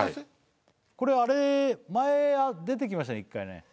これあれ前出てきましたよね